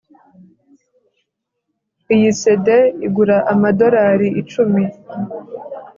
Iyi CD igura amadorari icumi